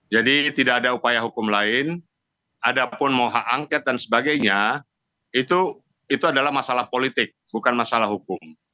jadi tidak ada upaya hukum lain ada pun mau hak angket dan sebagainya itu adalah masalah politik bukan masalah hukum